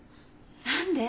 何で？